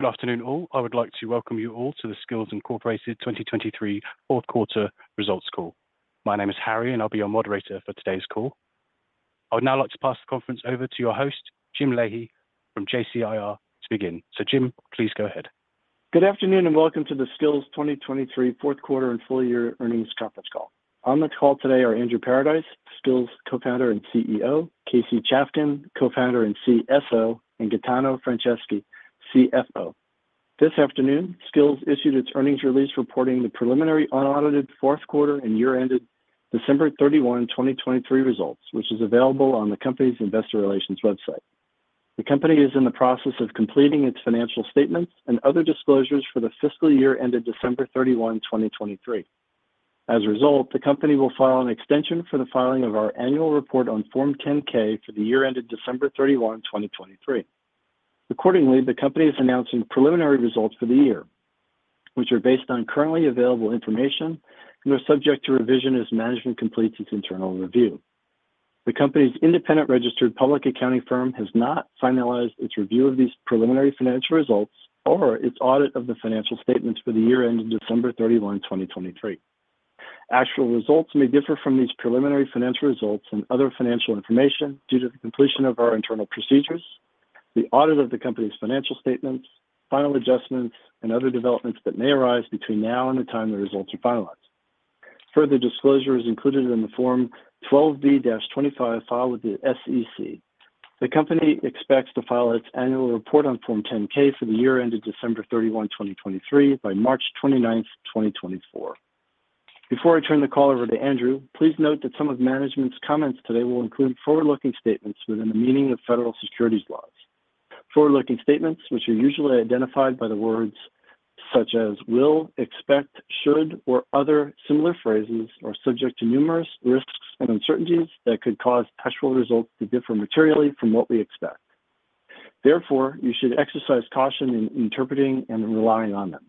Good afternoon, all. I would like to welcome you all to the Skillz Inc. 2023 fourth quarter results call. My name is Harry, and I'll be your moderator for today's call. I would now like to pass the conference over to your host, Jim Leahy, from JCIR to begin. Jim, please go ahead. Good afternoon, and welcome to the Skillz 2023 fourth quarter and full year earnings conference call. On the call today are Andrew Paradise, Skillz Co-founder and CEO, Casey Chafkin, Co-founder and CSO, and Gaetano Franceschi, CFO. This afternoon, Skillz issued its earnings release reporting the preliminary unaudited fourth quarter and year-ended December 31, 2023 results, which is available on the company's investor relations website. The company is in the process of completing its financial statements and other disclosures for the fiscal year ended December 31, 2023. As a result, the company will file an extension for the filing of our annual report on Form 10-K for the year ended December 31, 2023. Accordingly, the company is announcing preliminary results for the year, which are based on currently available information and are subject to revision as management completes its internal review. The company's independent registered public accounting firm has not finalized its review of these preliminary financial results or its audit of the financial statements for the year ended December 31, 2023. Actual results may differ from these preliminary financial results and other financial information due to the completion of our internal procedures, the audit of the company's financial statements, final adjustments, and other developments that may arise between now and the time the results are finalized. Further disclosure is included in the Form 12b-25 filed with the SEC. The company expects to file its annual report on Form 10-K for the year ended December 31, 2023, by March 29, 2024. Before I turn the call over to Andrew, please note that some of management's comments today will include forward-looking statements within the meaning of federal securities laws. Forward-looking statements, which are usually identified by the words such as "will," "expect," "should," or other similar phrases, are subject to numerous risks and uncertainties that could cause actual results to differ materially from what we expect. Therefore, you should exercise caution in interpreting and relying on them.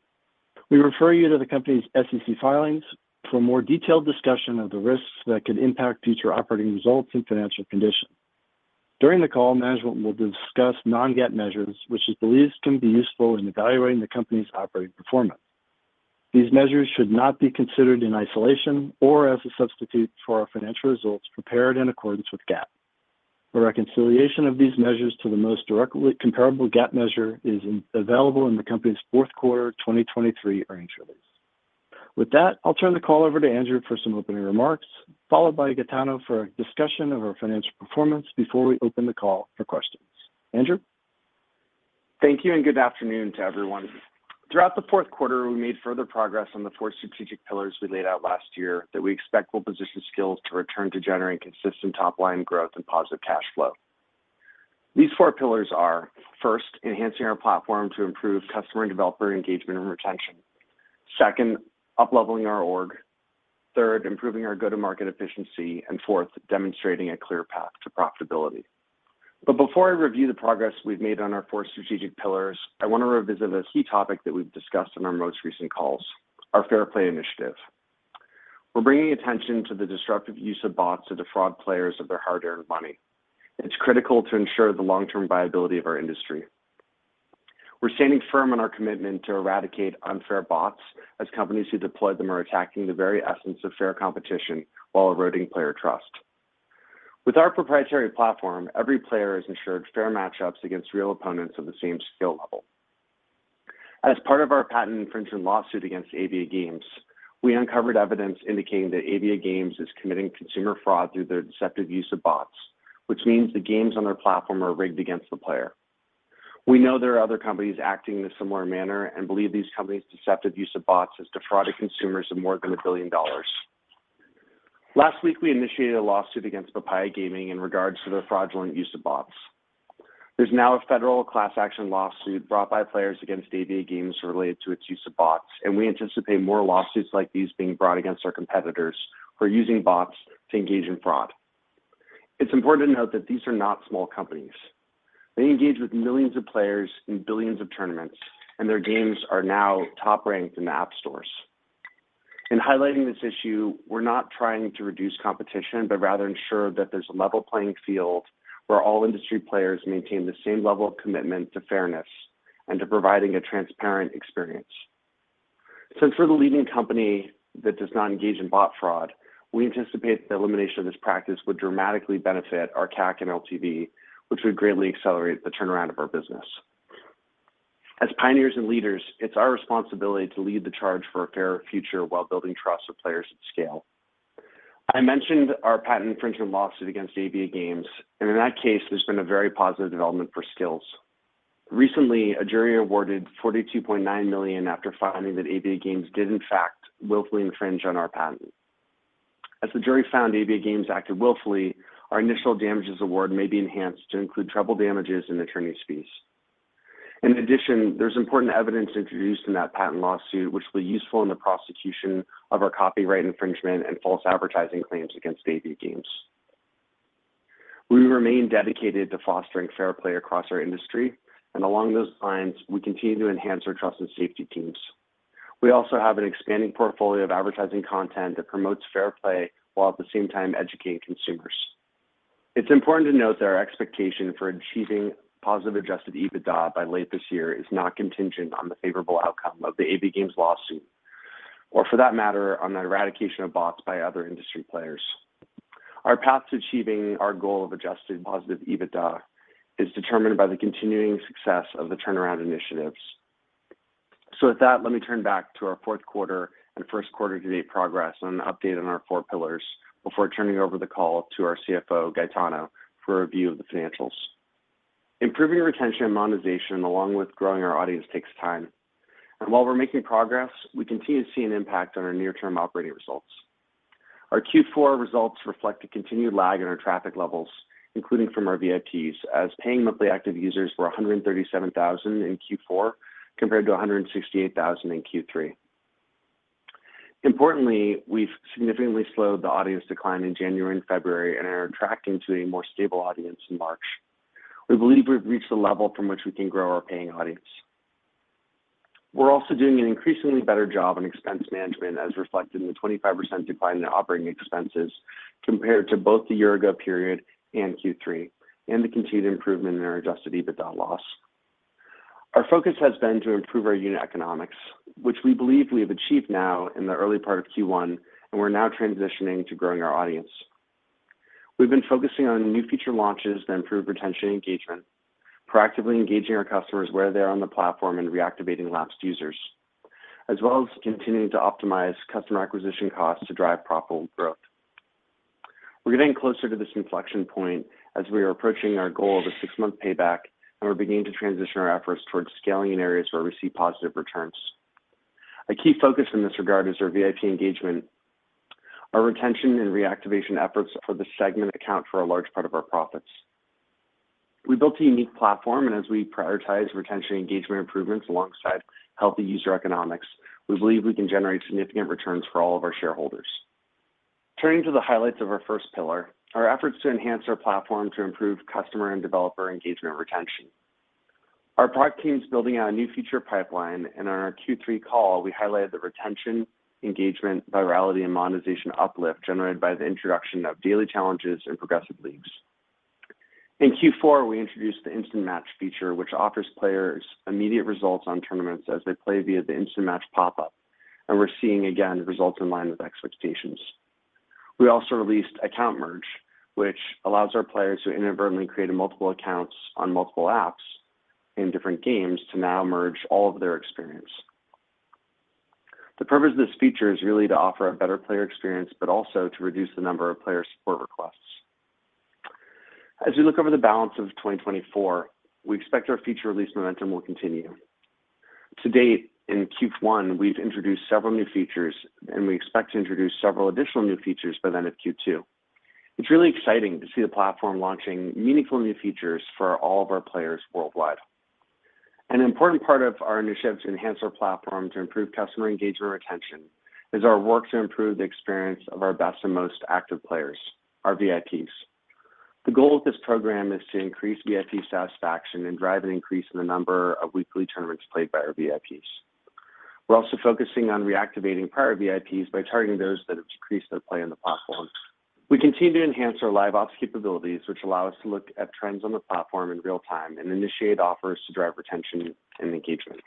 We refer you to the company's SEC filings for a more detailed discussion of the risks that could impact future operating results and financial condition. During the call, management will discuss non-GAAP measures, which it believes can be useful in evaluating the company's operating performance. These measures should not be considered in isolation or as a substitute for our financial results prepared in accordance with GAAP. A reconciliation of these measures to the most directly comparable GAAP measure is available in the company's fourth quarter 2023 earnings release. With that, I'll turn the call over to Andrew for some opening remarks, followed by Gaetano for a discussion of our financial performance before we open the call for questions. Andrew? Thank you, and good afternoon to everyone. Throughout the fourth quarter, we made further progress on the four strategic pillars we laid out last year that we expect will position Skillz to return to generating consistent top-line growth and positive cash flow. These four pillars are, first, enhancing our platform to improve customer and developer engagement and retention. Second, upleveling our org. Third, improving our go-to-market efficiency. And fourth, demonstrating a clear path to profitability. But before I review the progress we've made on our four strategic pillars, I want to revisit a key topic that we've discussed in our most recent calls, our Fair Play initiative. We're bringing attention to the disruptive use of bots to defraud players of their hard-earned money. It's critical to ensure the long-term viability of our industry. We're standing firm on our commitment to eradicate unfair bots, as companies who deploy them are attacking the very essence of fair competition while eroding player trust. With our proprietary platform, every player is ensured fair match-ups against real opponents of the same skill level. As part of our patent infringement lawsuit against AviaGames, we uncovered evidence indicating that AviaGames is committing consumer fraud through their deceptive use of bots, which means the games on their platform are rigged against the player. We know there are other companies acting in a similar manner and believe these companies' deceptive use of bots has defrauded consumers of more than $1 billion. Last week, we initiated a lawsuit against Papaya Gaming in regards to their fraudulent use of bots. There's now a federal class action lawsuit brought by players against AviaGames related to its use of bots, and we anticipate more lawsuits like these being brought against our competitors who are using bots to engage in fraud. It's important to note that these are not small companies. They engage with millions of players in billions of tournaments, and their games are now top-ranked in the app stores. In highlighting this issue, we're not trying to reduce competition, but rather ensure that there's a level playing field where all industry players maintain the same level of commitment to fairness and to providing a transparent experience. Since we're the leading company that does not engage in bot fraud, we anticipate the elimination of this practice would dramatically benefit our CAC and LTV, which would greatly accelerate the turnaround of our business. As pioneers and leaders, it's our responsibility to lead the charge for a fairer future while building trust with players at scale. I mentioned our patent infringement lawsuit against AviaGames, and in that case, there's been a very positive development for Skillz. Recently, a jury awarded $42.9 million after finding that AviaGames did, in fact, willfully infringe on our patent. As the jury found AviaGames acted willfully, our initial damages award may be enhanced to include treble damages and attorneys' fees. In addition, there's important evidence introduced in that patent lawsuit, which will be useful in the prosecution of our copyright infringement and false advertising claims against AviaGames. We remain dedicated to fostering fair play across our industry, and along those lines, we continue to enhance our trust and safety teams. We also have an expanding portfolio of advertising content that promotes fair play, while at the same time educating consumers. It's important to note that our expectation for achieving positive Adjusted EBITDA by late this year is not contingent on the favorable outcome of the AviaGames lawsuit, or for that matter, on the eradication of bots by other industry players. Our path to achieving our goal of positive Adjusted EBITDA is determined by the continuing success of the turnaround initiatives. So with that, let me turn back to our fourth quarter and first quarter to-date progress and an update on our four pillars before turning over the call to our CFO, Gaetano, for a review of the financials. Improving retention and monetization, along with growing our audience, takes time, and while we're making progress, we continue to see an impact on our near-term operating results. Our Q4 results reflect a continued lag in our traffic levels, including from our VIPs, as paying monthly active users were 137,000 in Q4, compared to 168,000 in Q3. Importantly, we've significantly slowed the audience decline in January and February and are attracting to a more stable audience in March. We believe we've reached a level from which we can grow our paying audience. We're also doing an increasingly better job on expense management, as reflected in the 25% decline in operating expenses compared to both the year-ago period and Q3, and the continued improvement in our adjusted EBITDA loss. Our focus has been to improve our unit economics, which we believe we have achieved now in the early part of Q1, and we're now transitioning to growing our audience. We've been focusing on new feature launches to improve retention and engagement, proactively engaging our customers where they are on the platform, and reactivating lapsed users, as well as continuing to optimize customer acquisition costs to drive profitable growth. We're getting closer to this inflection point as we are approaching our goal of a six-month payback, and we're beginning to transition our efforts towards scaling in areas where we see positive returns. A key focus in this regard is our VIP engagement. Our retention and reactivation efforts for this segment account for a large part of our profits. We built a unique platform, and as we prioritize retention engagement improvements alongside healthy user economics, we believe we can generate significant returns for all of our shareholders. Turning to the highlights of our first pillar, our efforts to enhance our platform to improve customer and developer engagement retention. Our product team is building out a new feature pipeline, and on our Q3 call, we highlighted the retention, engagement, virality, and monetization uplift generated by the introduction of Daily Challenges and Progressive Leagues. In Q4, we introduced the Instant Match feature, which offers players immediate results on tournaments as they play via the Instant Match pop-up, and we're seeing again, results in line with expectations. We also released Account Merge, which allows our players who inadvertently created multiple accounts on multiple apps in different games to now merge all of their experience. The purpose of this feature is really to offer a better player experience, but also to reduce the number of player support requests. As we look over the balance of 2024, we expect our feature release momentum will continue. To date, in Q1, we've introduced several new features, and we expect to introduce several additional new features by the end of Q2. It's really exciting to see the platform launching meaningful new features for all of our players worldwide. An important part of our initiative to enhance our platform to improve customer engagement retention is our work to improve the experience of our best and most active players, our VIPs. The goal of this program is to increase VIP satisfaction and drive an increase in the number of weekly tournaments played by our VIPs. We're also focusing on reactivating prior VIPs by targeting those that have decreased their play on the platform. We continue to enhance our LiveOps capabilities, which allow us to look at trends on the platform in real time and initiate offers to drive retention and engagement.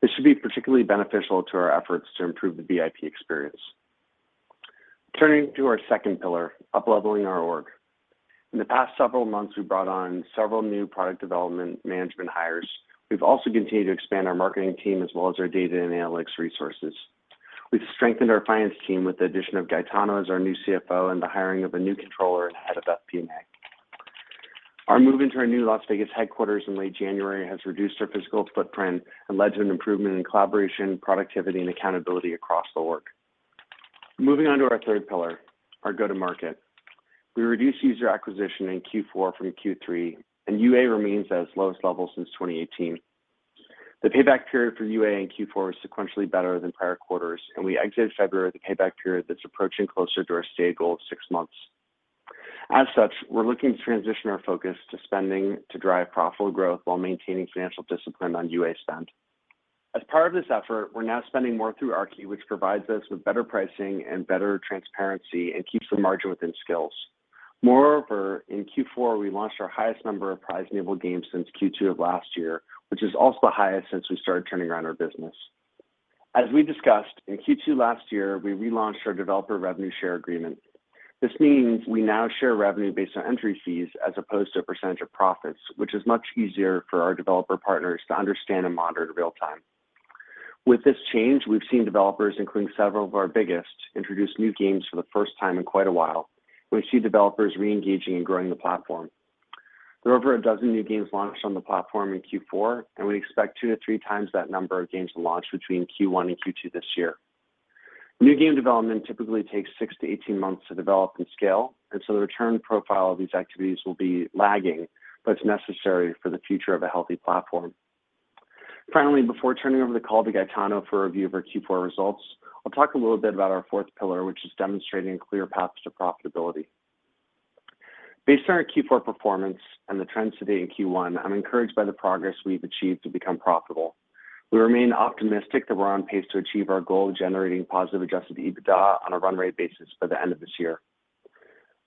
This should be particularly beneficial to our efforts to improve the VIP experience. Turning to our second pillar, upleveling our org. In the past several months, we've brought on several new product development management hires. We've also continued to expand our marketing team, as well as our data and analytics resources. We've strengthened our finance team with the addition of Gaetano as our new CFO and the hiring of a new controller and head of FP&A. Our move into our new Las Vegas headquarters in late January has reduced our physical footprint and led to an improvement in collaboration, productivity, and accountability across the org. Moving on to our third pillar, our go-to-market. We reduced user acquisition in Q4 from Q3, and UA remains at its lowest level since 2018. The payback period for UA in Q4 is sequentially better than prior quarters, and we exited February with a payback period that's approaching closer to our stated goal of six months. As such, we're looking to transition our focus to spending to drive profitable growth while maintaining financial discipline on UA spend. As part of this effort, we're now spending more through Aarki, which provides us with better pricing and better transparency and keeps the margin within Skillz. Moreover, in Q4, we launched our highest number of prize-enabled games since Q2 of last year, which is also the highest since we started turning around our business. As we discussed, in Q2 last year, we relaunched our developer revenue share agreement. This means we now share revenue based on entry fees as opposed to a percentage of profits, which is much easier for our developer partners to understand and monitor in real time. With this change, we've seen developers, including several of our biggest, introduce new games for the first time in quite a while. We see developers reengaging and growing the platform. There are over a dozen new games launched on the platform in Q4, and we expect two to three times that number of games to launch between Q1 and Q2 this year. New game development typically takes six to 18 months to develop and scale, and so the return profile of these activities will be lagging, but it's necessary for the future of a healthy platform. Finally, before turning over the call to Gaetano for a review of our Q4 results, I'll talk a little bit about our fourth pillar, which is demonstrating clear paths to profitability. Based on our Q4 performance and the trends today in Q1, I'm encouraged by the progress we've achieved to become profitable. We remain optimistic that we're on pace to achieve our goal of generating positive Adjusted EBITDA on a run rate basis by the end of this year.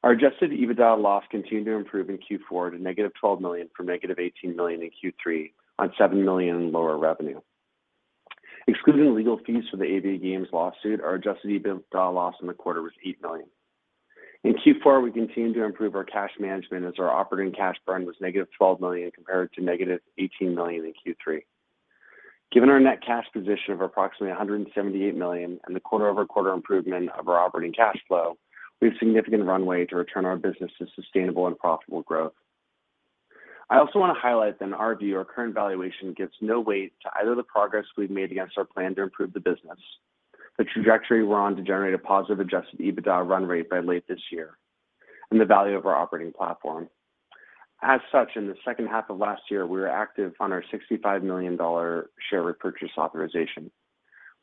Our Adjusted EBITDA loss continued to improve in Q4 to -$12 million from -$18 million in Q3 on $7 million in lower revenue. Excluding legal fees for the AviaGames lawsuit, our Adjusted EBITDA loss in the quarter was $8 million. In Q4, we continued to improve our cash management as our operating cash burn was -$12 million, compared to -$18 million in Q3. Given our net cash position of approximately $178 million and the quarter-over-quarter improvement of our operating cash flow, we have significant runway to return our business to sustainable and profitable growth. I also want to highlight that in our view, our current valuation gives no weight to either the progress we've made against our plan to improve the business, the trajectory we're on to generate a positive Adjusted EBITDA run rate by late this year, and the value of our operating platform. As such, in the second half of last year, we were active on our $65 million share repurchase authorization.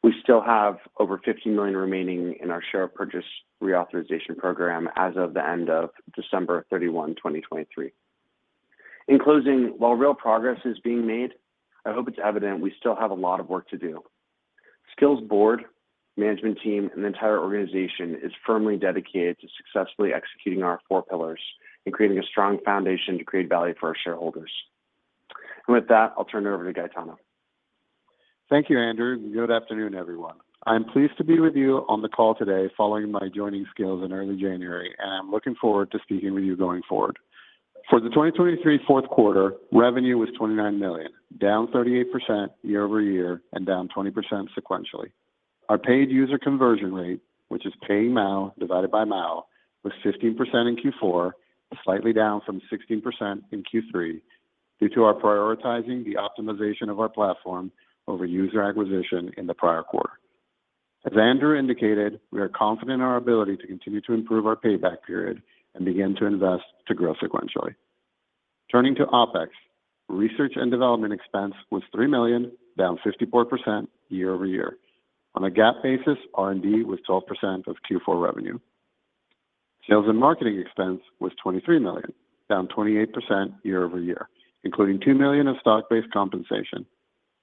We still have over $50 million remaining in our share purchase reauthorization program as of the end of December 31, 2023. In closing, while real progress is being made, I hope it's evident we still have a lot of work to do. Skillz's board, management team, and the entire organization is firmly dedicated to successfully executing our four pillars and creating a strong foundation to create value for our shareholders. And with that, I'll turn it over to Gaetano. Thank you, Andrew, and good afternoon, everyone. I'm pleased to be with you on the call today following my joining Skillz in early January, and I'm looking forward to speaking with you going forward. For the 2023 fourth quarter, revenue was $29 million, down 38% year over year and down 20% sequentially. Our paid user conversion rate, which is paying MAU, divided by MAU, was 15% in Q4, slightly down from 16% in Q3, due to our prioritizing the optimization of our platform over user acquisition in the prior quarter. As Andrew indicated, we are confident in our ability to continue to improve our payback period and begin to invest to grow sequentially. Turning to OpEx, research and development expense was $3 million, down 54% year over year. On a GAAP basis, R&D was 12% of Q4 revenue. Sales and marketing expense was $23 million, down 28% year-over-year, including $2 million of stock-based compensation.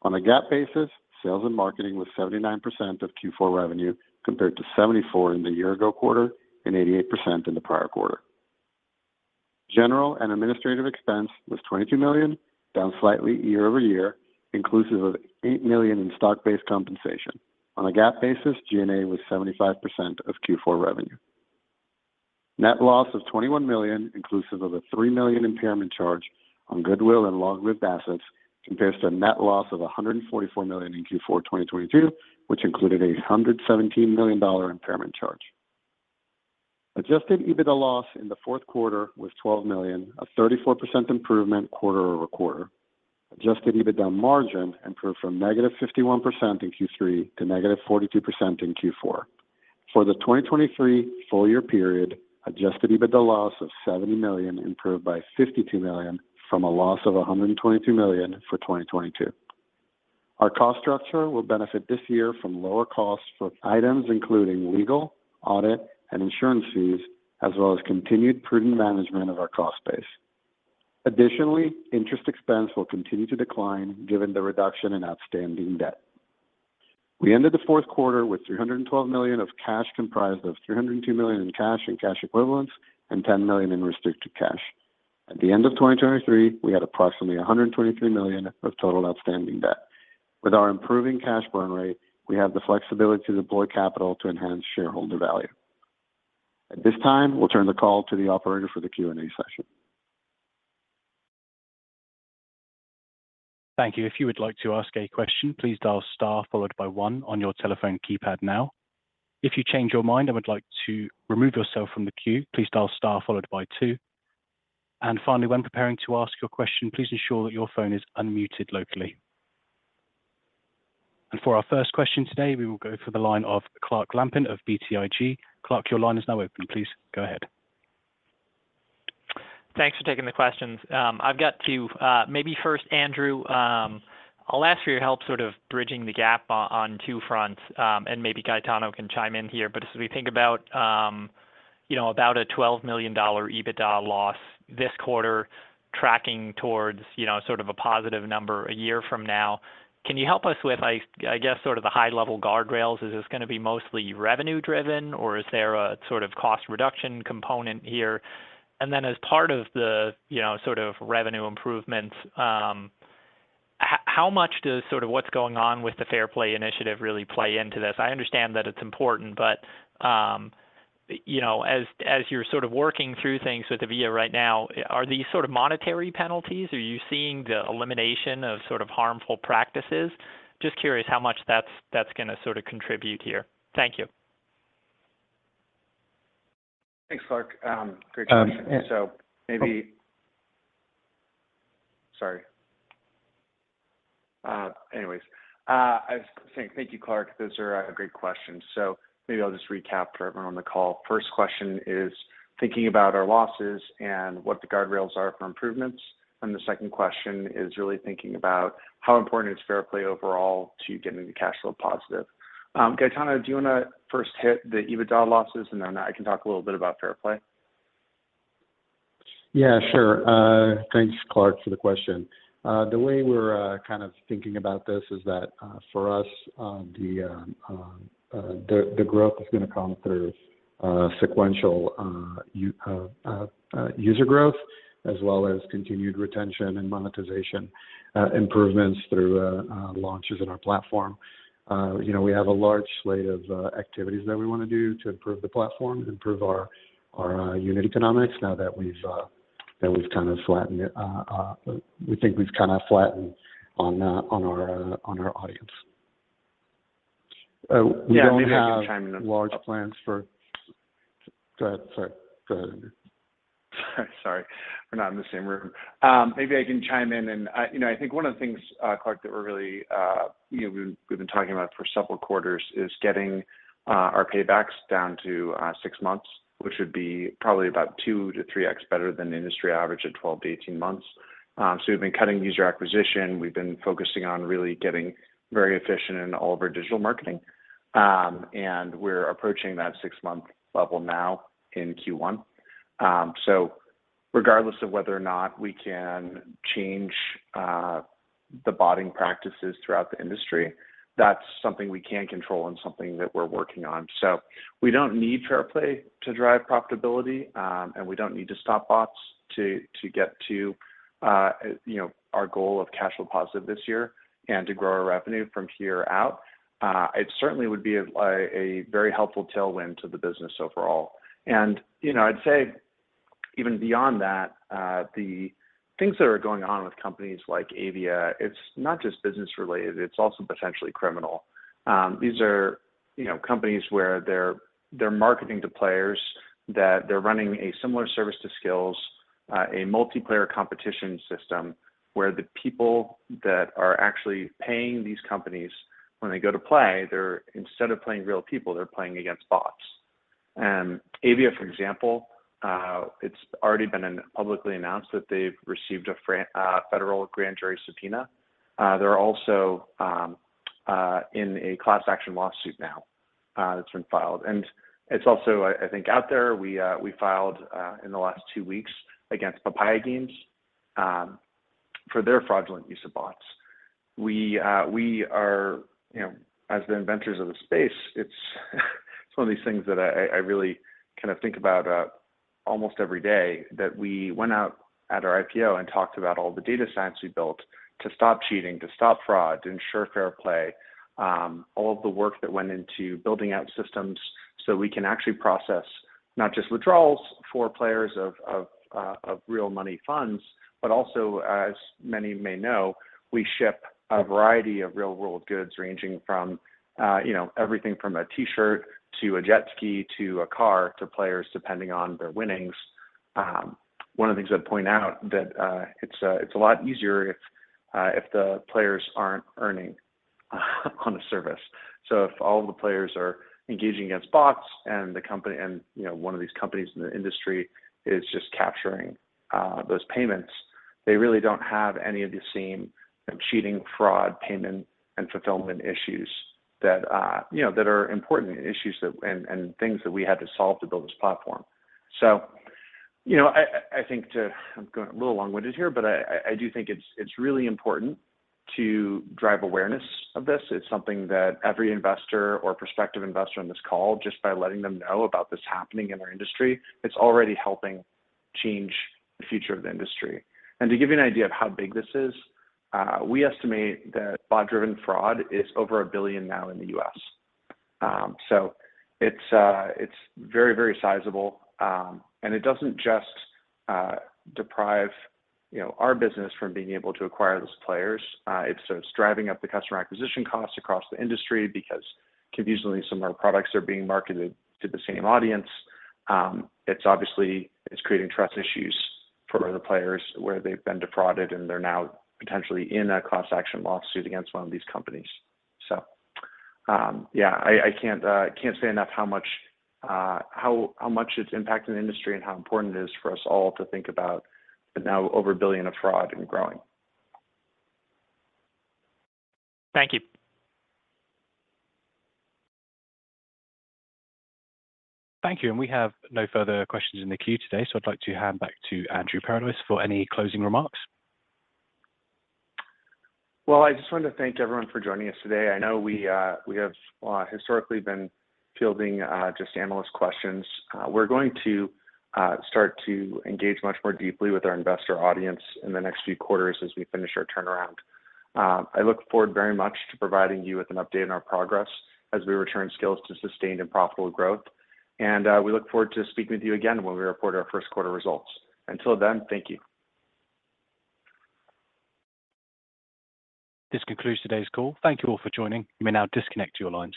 On a GAAP basis, sales and marketing was 79% of Q4 revenue, compared to 74% in the year-ago quarter and 88% in the prior quarter. General and administrative expense was $22 million, down slightly year-over-year, inclusive of $8 million in stock-based compensation. On a GAAP basis, G&A was 75% of Q4 revenue. Net loss of $21 million, inclusive of a $3 million impairment charge on goodwill and long-lived assets, compares to a net loss of $144 million in Q4 2022, which included a $117 million impairment charge. Adjusted EBITDA loss in the fourth quarter was $12 million, a 34% improvement quarter-over-quarter. Adjusted EBITDA margin improved from -51% in Q3 to -42% in Q4. For the 2023 full year period, Adjusted EBITDA loss of $70 million improved by $52 million from a loss of $122 million for 2022. Our cost structure will benefit this year from lower costs for items including legal, audit, and insurance fees, as well as continued prudent management of our cost base. Additionally, interest expense will continue to decline given the reduction in outstanding debt. We ended the fourth quarter with $312 million of cash, comprised of $302 million in cash and cash equivalents and $10 million in restricted cash. At the end of 2023, we had approximately $123 million of total outstanding debt. With our improving cash burn rate, we have the flexibility to deploy capital to enhance shareholder value. At this time, we'll turn the call to the operator for the Q&A session. Thank you. If you would like to ask a question, please dial star followed by one on your telephone keypad now. If you change your mind and would like to remove yourself from the queue, please dial star followed by two. And finally, when preparing to ask your question, please ensure that your phone is unmuted locally. And for our first question today, we will go to the line of Clark Lampen of BTIG. Clark, your line is now open. Please go ahead. Thanks for taking the questions. I've got two. Maybe first, Andrew, I'll ask for your help sort of bridging the gap on two fronts, and maybe Gaetano can chime in here. But as we think about, you know, about a $12 million EBITDA loss this quarter, tracking towards, you know, sort of a positive number a year from now, can you help us with, I guess, sort of the high-level guardrails? Is this gonna be mostly revenue-driven, or is there a sort of cost reduction component here? And then as part of the, you know, sort of revenue improvements, how much does sort of what's going on with the Fair Play initiative really play into this? I understand that it's important, but, you know, as you're sort of working through things with the Avia right now, are these sort of monetary penalties? Are you seeing the elimination of sort of harmful practices? Just curious how much that's gonna sort of contribute here. Thank you. Thanks, Clark. Great question. Anyways, I was saying thank you, Clark. Those are great questions. So maybe I'll just recap for everyone on the call. First question is thinking about our losses and what the guardrails are for improvements. And the second question is really thinking about how important is Fair Play overall to getting the cash flow positive. Gaetano, do you want to first hit the EBITDA losses, and then I can talk a little bit about Fair Play?... Yeah, sure. Thanks, Clark, for the question. The way we're kind of thinking about this is that for us, the growth is going to come through sequential user growth, as well as continued retention and monetization improvements through launches in our platform. You know, we have a large slate of activities that we want to do to improve the platform, improve our unit economics now that we've kind of flattened it. We think we've kind of flattened on our audience. We don't have large plans for- Yeah, maybe I can chime in on- Go ahead, sorry. Go ahead, Andrew. Sorry, we're not in the same room. Maybe I can chime in. And, you know, I think one of the things, Clark, that we're really, you know, we've been talking about for several quarters is getting our paybacks down to 6 months, which would be probably about 2-3x better than the industry average of 12-18 months. So we've been cutting user acquisition. We've been focusing on really getting very efficient in all of our digital marketing. And we're approaching that six-month level now in Q1. So regardless of whether or not we can change the botting practices throughout the industry, that's something we can control and something that we're working on. So we don't need fair play to drive profitability, and we don't need to stop bots to get to, you know, our goal of cash flow positive this year and to grow our revenue from here out. It certainly would be a very helpful tailwind to the business overall. And, you know, I'd say even beyond that, the things that are going on with companies like Avia, it's not just business related, it's also potentially criminal. These are, you know, companies where they're marketing to players, that they're running a similar service to Skillz, a multiplayer competition system, where the people that are actually paying these companies when they go to play, they're, instead of playing real people, they're playing against bots. Avia, for example, it's already been publicly announced that they've received a federal grand jury subpoena. They're also in a class action lawsuit now that's been filed. It's also, I think out there, we filed in the last two weeks against Papaya Gaming for their fraudulent use of bots. We are, you know, as the inventors of the space, it's one of these things that I really kind of think about almost every day, that we went out at our IPO and talked about all the data science we built to stop cheating, to stop fraud, to ensure fair play. All of the work that went into building out systems so we can actually process not just withdrawals for players of real money funds, but also, as many may know, we ship a variety of real-world goods, ranging from, you know, everything from a T-shirt to a jet ski to a car, to players, depending on their winnings. One of the things I'd point out that it's a lot easier if the players aren't earning on a service. So if all the players are engaging against bots and the company and, you know, one of these companies in the industry is just capturing those payments, they really don't have any of the same cheating, fraud, payment, and fulfillment issues that, you know, that are important issues that... things that we had to solve to build this platform. So, you know, I think to, I'm going a little long-winded here, but I do think it's really important to drive awareness of this. It's something that every investor or prospective investor on this call, just by letting them know about this happening in our industry, it's already helping change the future of the industry. And to give you an idea of how big this is, we estimate that bot-driven fraud is over $1 billion now in the U.S. So it's very, very sizable. And it doesn't just deprive, you know, our business from being able to acquire those players. It's driving up the customer acquisition costs across the industry because confusingly, some of our products are being marketed to the same audience. It's obviously, it's creating trust issues for the players where they've been defrauded, and they're now potentially in a class action lawsuit against one of these companies. So, yeah, I, I can't say enough how much, how much it's impacting the industry and how important it is for us all to think about the now over $1 billion of fraud and growing. Thank you. Thank you. We have no further questions in the queue today, so I'd like to hand back to Andrew Paradise for any closing remarks. Well, I just wanted to thank everyone for joining us today. I know we have historically been fielding just analyst questions. We're going to start to engage much more deeply with our investor audience in the next few quarters as we finish our turnaround. I look forward very much to providing you with an update on our progress as we return Skillz to sustained and profitable growth. We look forward to speaking with you again when we report our first quarter results. Until then, thank you. This concludes today's call. Thank you all for joining. You may now disconnect your lines.